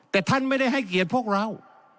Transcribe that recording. แต่ท่านไม่ได้ให้เกียรติพวกเรา